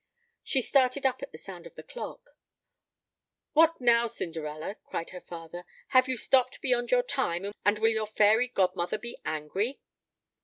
She started up at the sound of the clock. "What now, Cinderella?" cried her father. "Have you stopped beyond your time, and will your fairy godmother be angry?"